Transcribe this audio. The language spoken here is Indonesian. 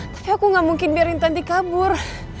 tapi aku gak mungkin biarin nanti kabur